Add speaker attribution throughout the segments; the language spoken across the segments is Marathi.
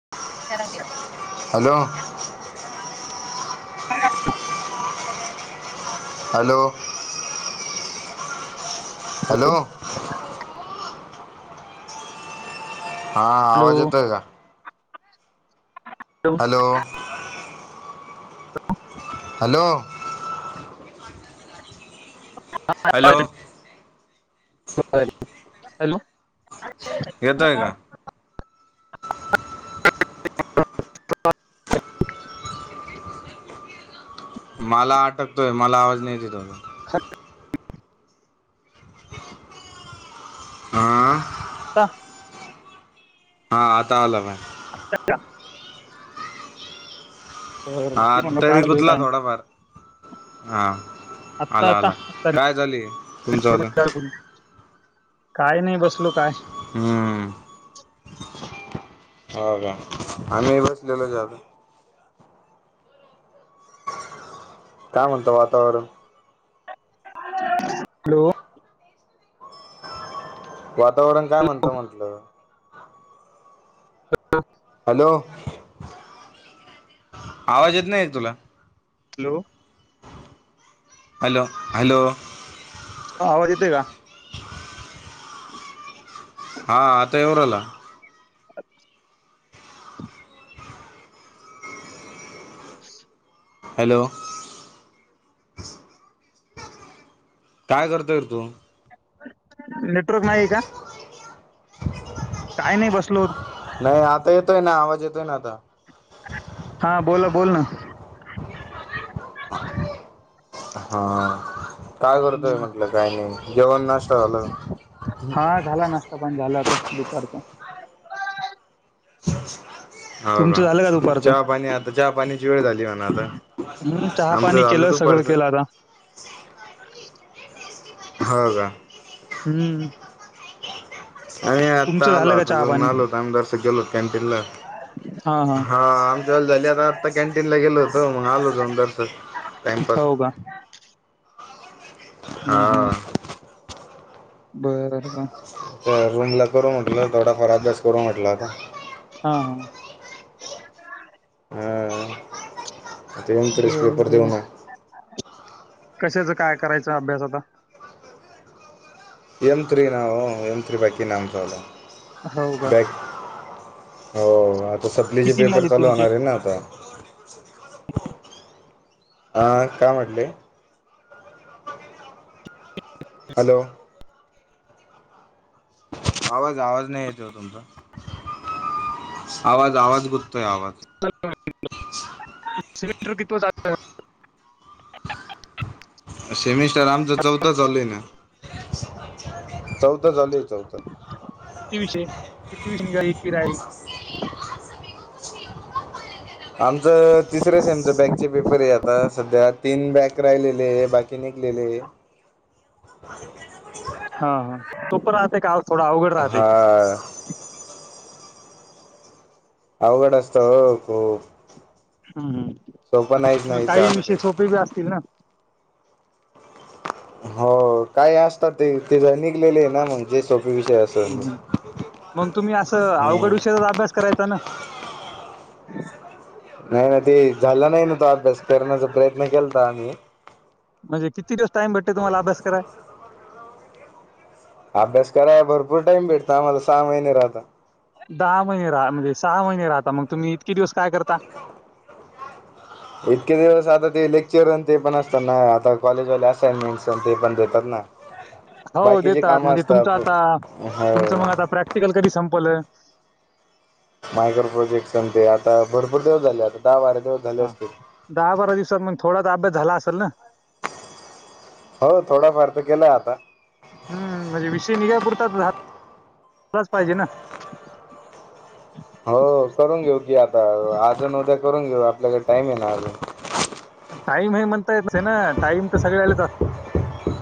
Speaker 1: [unintelligible]
Speaker 2: हॅलो
Speaker 1: [unintelligible] ह
Speaker 2: हॅलो हॅलो हा
Speaker 1: हॅलो
Speaker 2: आवाज येतोय का? हॅलो हॅलो
Speaker 1: ह
Speaker 2: हॅलो
Speaker 1: हॅलो
Speaker 2: येतोय का?
Speaker 1: [unintelligible]
Speaker 2: मला अटकतोय मला आवाज नाही येत तुझं [unintelligible] [inaudible] आ
Speaker 1: आता..
Speaker 2: हा आता आला बघ.
Speaker 1: [unintelligible]
Speaker 2: हा
Speaker 1: ते
Speaker 2: आता
Speaker 1: म्हणलं काय
Speaker 2: तरी
Speaker 1: चालू आहे
Speaker 2: कुतला
Speaker 1: काय
Speaker 2: थोडाफार हा
Speaker 1: आत्ता
Speaker 2: आला [inaudible]
Speaker 1: आता
Speaker 2: आला
Speaker 1: आता
Speaker 2: काय झाली चालू
Speaker 1: काय नाही बसलो काय?
Speaker 2: हम्म [inaudible] हो का आम्ही बसलेलोच आहे अजून. काय? म्हणत वातावरण.
Speaker 1: [unintelligible] हॅलो!
Speaker 2: वातावरण काय म्हणत म्हंटलं?
Speaker 1: [unintelligible]
Speaker 2: हॅलो [unintelligible] आवाज येत नाही तुला?
Speaker 1: हॅलो! !
Speaker 2: [inaudible] हॅलो! [unintelligible] हॅलो!
Speaker 1: आवाज येतोय का? [unintelligible]
Speaker 2: हा आता येऊन राहिला..
Speaker 1: अ [unintelligible]
Speaker 2: हॅलो! [inaudible] काय? करतोय रे तु.
Speaker 1: [unintelligible] नेटवर्क नाही का? काय नाही बसलो होतो.
Speaker 2: नाही [inaudible] आता येतोय ना आवाज येतोय ना आता
Speaker 1: हा बोला, बोल ना.
Speaker 2: हा.. काय करतोय?
Speaker 1: हम्म.
Speaker 2: म्हटलं काय नाही? जेवणास
Speaker 1: हा झाला नाष्टा पाणी झाला आता दुपारचा [unintelligible]
Speaker 2: [unintelligible] हो का
Speaker 1: तुमचं झालं दुपारचं
Speaker 2: चहा पाणी [unintelligible] आता चहा पाण्याची वेळ झाली [unintelligible] म्ह ना
Speaker 1: हम्म चहा
Speaker 2: आता आमचं
Speaker 1: पाणी
Speaker 2: झालं
Speaker 1: केलं सगळं
Speaker 2: दुपारच
Speaker 1: अ
Speaker 2: ह का?
Speaker 1: हम्म..
Speaker 2: [unintelligible] आम्ही आत्ता
Speaker 1: तुमचं
Speaker 2: आलो
Speaker 1: झालं का
Speaker 2: आता
Speaker 1: चहा
Speaker 2: जाऊन
Speaker 1: पाणी
Speaker 2: आलोत [unintelligible] आमदारस गेलोत कॅन्टीनला [unintelligible] हा आमच्या वेळे झाली आता आता कॅन्टीनला गेलो होतं मग आलो [unintelligible] जाऊनंदरस टाइमपास
Speaker 1: हा हो का
Speaker 2: [inaudible]
Speaker 1: हम्म हम्म
Speaker 2: हा.. [inaudible]
Speaker 1: बर बर..
Speaker 2: तर रूम ला करू म्हटलं ते थोडा फार अभ्यास करू, म्हटला आता.
Speaker 1: हा हा!
Speaker 2: हं! उनतरीस पेपर देऊ ना.
Speaker 1: कशाच काय, करायचं अभ्यास आता.
Speaker 2: एम थ्री, नाव एम थ्री, बाकी ना आमचा वाला.
Speaker 1: हो का!
Speaker 2: बॅक हो आता सप्लीचे
Speaker 1: किती
Speaker 2: पेपर
Speaker 1: निघाले
Speaker 2: चालू
Speaker 1: तुमचे
Speaker 2: होणार हे ना आता. [inaudible] हा काय म्हटले? हॅलो! आवाज, आवाज, नाही येत हो तुमचा. आवाज, आवाज, गुत आवाज.
Speaker 1: [unintelligible]
Speaker 2: सेमिस्टर आमचं चौथं, चालूय ना चौथं, चालू आहे चालूय चौथं.
Speaker 1: किती विषय, किती विषय, निघाले. [unintelligible]
Speaker 2: आमचं तिसरं सेमचं बॅकचे पेपर आहे. आता सध्या. तीन बॅक राहिलेले बाकी निघलेले.
Speaker 1: हा हा! [unintelligible] थोड अवघड राहतय.
Speaker 2: हा अवघड असत हो खूप.
Speaker 1: हूं हूं!
Speaker 2: सोपं नाहीच ना इथ आता काही.
Speaker 1: असतील ना
Speaker 2: हो काही असतात ते ते निघलेले, ना मग जे सो
Speaker 1: मग तुम्ही असं अवघड
Speaker 2: हम्म
Speaker 1: विषयचाच अभ्यास करायचा ना. [inaudible]
Speaker 2: हं ते झाला नाही, ना तो अभ्यास करण्याचा प्रयत्न केलता आम्ही.
Speaker 1: म्हणजे किती डे टाईम भेटतो तुम्हाला अभ्यास कराया
Speaker 2: अभ्यास कराय भरपूर टाइम भेटतो आम्हाला सहा महिने राहता.
Speaker 1: दहा महिने, राहा म्हणजे सहा महिने, राहता मग तुम्ही इतके दिवस. काय करता?
Speaker 2: इतके दिवस आता ते लेक्चर न ते पण असता ना. आता कॉलेजवाले असाइनमेंटस न ते पण दे
Speaker 1: हो देतात म्हणजे
Speaker 2: असतात
Speaker 1: तुमचं,
Speaker 2: हो
Speaker 1: आता तुमच, मग आता प्रॅक्टिकल कधी संपल.
Speaker 2: मायक्रो प्रोजेक्ट ते आता भरपूर दिवस झाले आता दहा बारा दिवस झाले
Speaker 1: हा
Speaker 2: असतील
Speaker 1: दहा बारा दिवसात मग थोडा अभ्यास झाला अस ल ना
Speaker 2: हो थोडाफार तर केला आता
Speaker 1: हम्म म्हणजे विषय निघापुरता झा झालाच पाहिजे ना
Speaker 2: हो करून घेऊ की आता अजून उद्या करून घेऊ आपल्याकडे टाईम आहे ना अजून
Speaker 1: टाईम हे म्हणता येत आहे ना टाईम तर सगळ्यालाच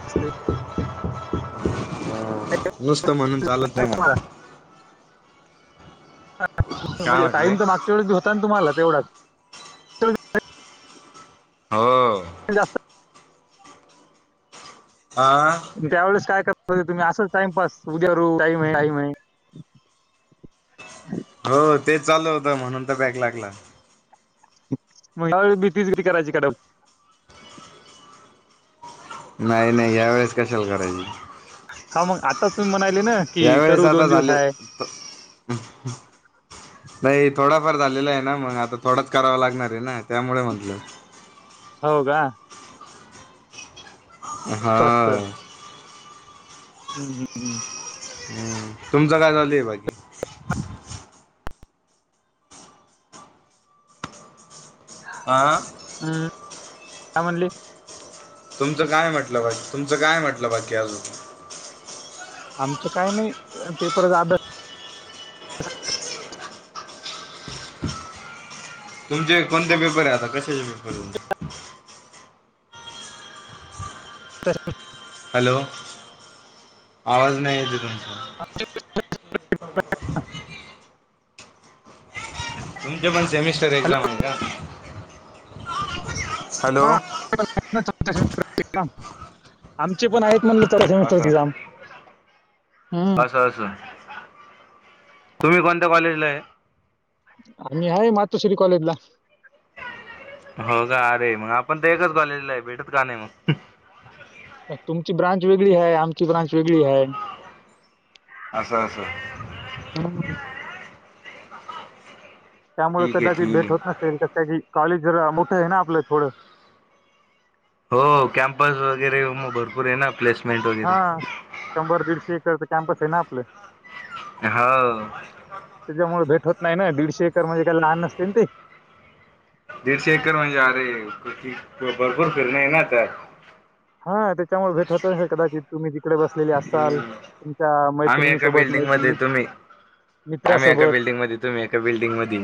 Speaker 1: असते
Speaker 2: नुसतं म्हणून चालत नाही
Speaker 1: तुम्हाला
Speaker 2: म्हणून काय
Speaker 1: म्हणजे
Speaker 2: म्हटले
Speaker 1: टाइम तर मागच्या वेळेस बी होता ना तुम्हाला तेवढाच त्यावेळेस
Speaker 2: हो
Speaker 1: जास्त
Speaker 2: आ
Speaker 1: त्यावेळेस काय तर तुम्ही असंच टाइमपास उद्या रू काही मि म्ह
Speaker 2: हो ते चालू होतं म्हणून तर बॅक लागला
Speaker 1: मग बी तीसगरी करायची कडप
Speaker 2: नाही नाही या्या वेळेस कशाला करायचे
Speaker 1: हा मग आताच तुम्ही म्हणा
Speaker 2: या वेळेस आता झाले नाही थोडा झालेला आहे ना मग आता थोडाच करावा लागणार आहे ना त्यामुळे म्हंटलं
Speaker 1: हो का
Speaker 2: हा
Speaker 1: असं असतं हम्म हम् हम्
Speaker 2: [inaudible] तुमचं काय चालू ते बाकी हा
Speaker 1: हम्म, काय म्हणली
Speaker 2: तुमचं काय म्हटलं बाकी तुमचं काय म्हटलं बाकी अजून
Speaker 1: आमचं काय नाही पेपर चा अभ्यास
Speaker 2: तुमचे कोणते पेपर आहे आता कशाचे पेपर तुमचे
Speaker 1: तस [unintelligible]
Speaker 2: हॅलो आवाज नाही येतेय तुमचा
Speaker 1: [unintelligible]
Speaker 2: तुमच्या पण सेमिस्टर
Speaker 1: हॅलो
Speaker 2: एक्झाम आहे का [inaudible]
Speaker 1: [unintelligible] आमचे पण आहेत म्हणल सेमस्टर
Speaker 2: असं
Speaker 1: एक्झाम हम
Speaker 2: असं असं तुम्ही कोणत्या कॉलेजला हाय
Speaker 1: आम्ही आहे मातोश्री कॉलेजला
Speaker 2: हो का अरे मग आपण तर एकच कॉलेजला आहे भेटत का नाही मग
Speaker 1: तुमची ब्रांच वेगळी हाय आमची ब्रांच वेगळी हाय
Speaker 2: अससं असं
Speaker 1: हं. त्यामुळे
Speaker 2: ठीक आहे
Speaker 1: कदाचित
Speaker 2: ठीक
Speaker 1: भेट होत
Speaker 2: आहे
Speaker 1: नसेल कस कॉलेज जरा मोठं आहे ना आपलं थोडं
Speaker 2: हो कॅम्पस वगैरे मग भरपूर आहे ना प्लेस
Speaker 1: हा शंभर दीडशे एकरच कॅम्पस आहे ना आपलं
Speaker 2: हो
Speaker 1: त्याच्यामुळे भेट होत नाही ना दीडशे एकर म्हणजे काय लहान नसतीना ते
Speaker 2: [unintelligible]
Speaker 1: हा त्याच्यामुळे भेट होतल कदाचित तुम्ही इकडे बसलेली असताल
Speaker 2: हम्म
Speaker 1: तुमच्या
Speaker 2: आम्ही
Speaker 1: मैत्रिणी
Speaker 2: एका
Speaker 1: सोबत
Speaker 2: बिल्डिंग मध्ये तुम्ही आम्ही एका
Speaker 1: मित्रसोबत
Speaker 2: बिल्डिंग मध्ये तुम्ही एका बिल्डिंग मध्ये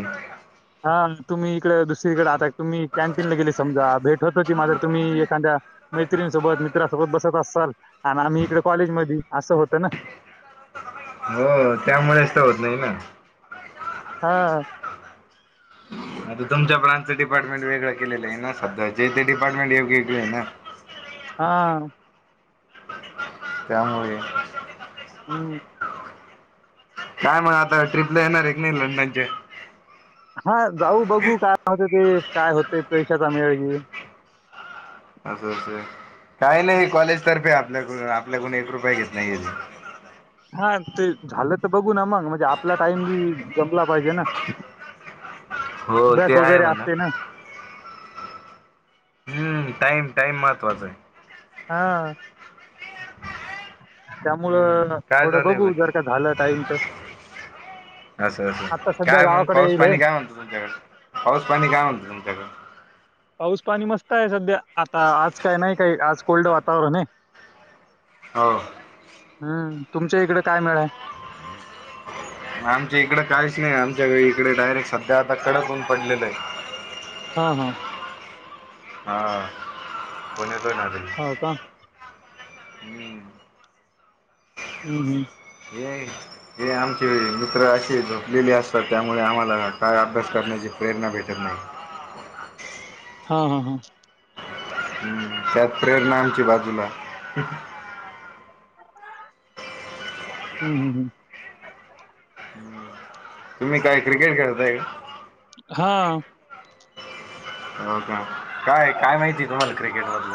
Speaker 1: हा तुम्ही इकडे दुसरीकडे आता तुम्ही कॅन्टीनला गेली समजा भेट होत हो ती माझी तुम्ही एखाद्या मैत्रीणीसोबत मित्रासोबत बसत असाल आणि आम्ही इकडे कॉलेज मदी असं होतं ना
Speaker 2: हो त्यामुळेच तर होत नाही ना
Speaker 1: हा
Speaker 2: आता तुमच्या ब्रांचं डिपार्टमेंट वेगळं केलेलं आहे ना सध्या जे ते डिपार्टमेंट वेगवेगळे आहे ना
Speaker 1: हा
Speaker 2: त्यामुळे
Speaker 1: हम्
Speaker 2: काय म्हणा आता ट्रिपला येणार एक नाही लंडनच्या
Speaker 1: हा जाऊ बघू कायते ते काय होते ते पैशाता मिळग [unintelligible]
Speaker 2: असं काही नाही कॉलेज तर्फे आ [unintelligible] आप आपल्याकडून एक रुपय घेत नाही.
Speaker 1: हा, ते झालं तर बघू ना मग म्हणजे, आपला टाईम बी जमला पाहिजे ना.
Speaker 2: हो, ते
Speaker 1: अभ्यास
Speaker 2: आहे
Speaker 1: वगैरे
Speaker 2: म्हणा,
Speaker 1: असते ना
Speaker 2: - हम्म टाईम टाईम महत्वाचा आहे.
Speaker 1: हा.
Speaker 2: हम्म.
Speaker 1: त्यामुळं
Speaker 2: काय
Speaker 1: थोडं
Speaker 2: झालंय
Speaker 1: बघू जर
Speaker 2: बाकी,
Speaker 1: का झालं टाइम तर
Speaker 2: असं असं
Speaker 1: आता सध्या
Speaker 2: काय मग
Speaker 1: गावाकडे
Speaker 2: पाऊस
Speaker 1: येईल हे
Speaker 2: पाणी काय म्हणत तुमच्याकडे, पाऊस पाणी काय म्हणत तुमच्याकड-
Speaker 1: पाऊस पाणी मस्त आहे सध्या- आता आज काय नाही काही आज. कोल्ड वातावरण हे.
Speaker 2: हो.
Speaker 1: हम्म. तुमच्या इकडे काय मिळ
Speaker 2: आमच्या इकडं काहीच नाही, आमच्या इकडे डायरेक्ट त्या आता कडक ऊन पडलेलं आहे.
Speaker 1: हा हा
Speaker 2: हा ब हो ना दिली
Speaker 1: हो का
Speaker 2: [unintelligible] हम्म.
Speaker 1: हम्म. हम्म.
Speaker 2: हे ज आमचे मित्र अशी झोपलेली असतात, त्यामुळे आम्हाला काय अभ्यास करण्याची प्रेरणा भेटत नाही.
Speaker 1: हा, हा, हा,
Speaker 2: हम्म त्यात प्रेरणा आमची बाजूला.
Speaker 1: हम्म. हम्म. हम्.
Speaker 2: तुम्ही काय क्रिकेट खेळताय का?
Speaker 1: हा.
Speaker 2: हो. काय काय माहितीय तुम्हाला क्रिकेट मधल?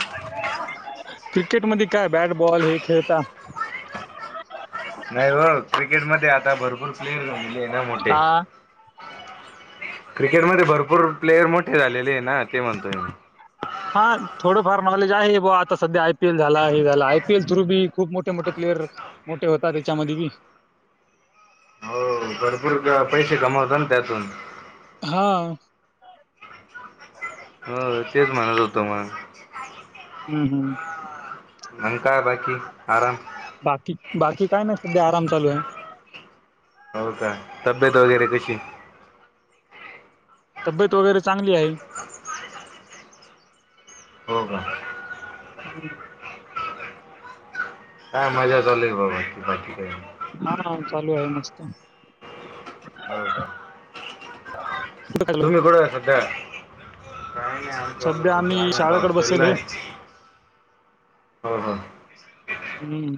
Speaker 1: क्रिकेट मध्ये काय बॅटबॉल हे खेळता-
Speaker 2: नाही हो, क्रिकेट मधे आता भरपूर प्लेयर झालेले आहे ना, मोठे.
Speaker 1: हा
Speaker 2: क्रिकेटमध्ये भरपूर प्लेयर मोठे झालेले आहे ना, ते म्हणतोय मी.
Speaker 1: फार मलेज आहे, बूवा आता सध्या आयपीएल झाला, हे झाला, आयपीएल थ्रू बी खूप मोठे मोठे प्लेयर मोठे होता, त्याच्यामध्ये बी.
Speaker 2: हो भरपूर पैसे कमावतात ना, त्यातून-
Speaker 1: हा.
Speaker 2: हो तेच म्हणत होत मग
Speaker 1: हम्. हम्म.
Speaker 2: मग काय बाकी आराम.
Speaker 1: बाकी बाकी काय नाही सध्या आराम चालू आहे.
Speaker 2: हो का? तब्येत वगैरे कशी?
Speaker 1: तब्येत वगैरे चांगली आहे.
Speaker 2: हो का?
Speaker 1: हम्म.
Speaker 2: काय मजा चालेल, बाबा बाकी काही नाही.
Speaker 1: हा चालू आहे मस्त
Speaker 2: हो का
Speaker 1: हा [unintelligible]
Speaker 2: तुम्ही कुठं सध्या
Speaker 1: सध्या आम्ही शाळेकडे बसेल हे
Speaker 2: हो हो [unintelligible]
Speaker 1: हम्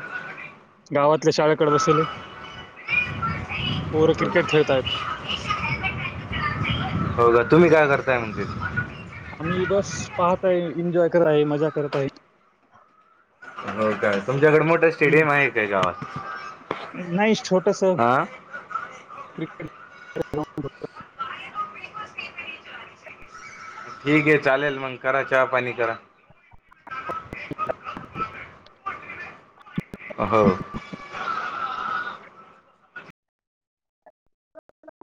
Speaker 1: गावातल्या शाळेकडे बसेलहे पोर
Speaker 2: असं
Speaker 1: क्रिकेट
Speaker 2: असं.
Speaker 1: खेळतय
Speaker 2: हो का तुम्ही काय करताय म्हणते
Speaker 1: आम्ही बस पाहत आहे एन्जॉय करत आहे मजा करत आहे
Speaker 2: हो काय तुमच्याकडे मोठं
Speaker 1: हम्म.
Speaker 2: स्टेडियम आहे काय गावात
Speaker 1: नाही छोटस
Speaker 2: हा
Speaker 1: क्रिकेट [inaudible]
Speaker 2: ठीक आहे चालेल मग करा चहा पाणी करा
Speaker 1: [inaudible]
Speaker 2: हो